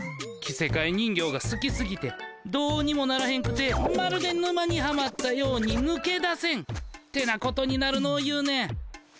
着せかえ人形がすきすぎてどうにもならへんくてまるで沼にはまったようにぬけ出せんってなことになるのを言うねん。